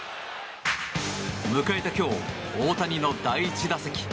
迎えた今日、大谷の第１打席。